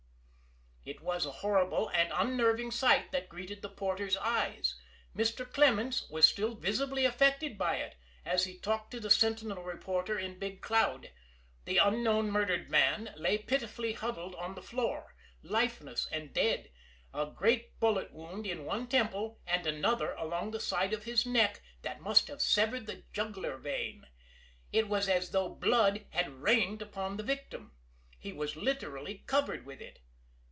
It was a horrible and unnerving sight that greeted the porter's eyes. Mr. Clements was still visibly affected by it as he talked to the Sentinel reporter in Big Cloud. The unknown murdered man lay pitifully huddled on the floor, lifeless and dead, a great bullet wound in one temple and another along the side of his neck that must have severed the jugular vein. It was as though blood had rained upon the victim. He was literally covered with it.